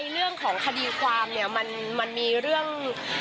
เรื่องของคดีความเนี่ยมันมีเรื่อง